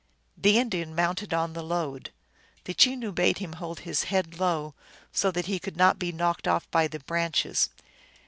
The Indian mounted on the load. The Chenoo bade him hold his head low, so that he could not be knocked off by the branches.